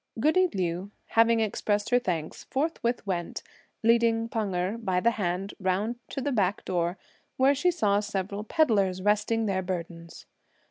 Goody Liu, having expressed her thanks, forthwith went, leading Pan Erh by the hand, round to the back door, where she saw several pedlars resting their burdens.